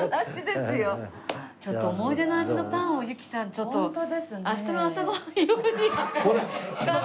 ちょっと思い出の味のパンを由紀さんちょっと明日の朝ご飯用に。